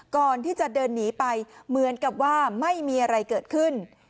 ก่อนที่จะเดินหนีไปเหมือนกับว่าไม่มีอะไรเกิดขึ้น